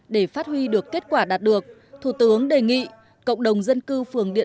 để phát huy được kết quả đạt được thủ tướng đề nghị cộng đồng dân cư phường điện